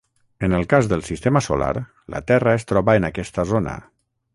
En el cas del sistema solar, la Terra es troba en aquesta zona.